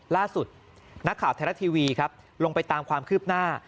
ล่าสุดนักข่าวไทยรัฐทีวีครับลงไปตามความคืบหน้า